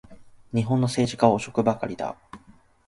日本の政治家は汚職ばかりだ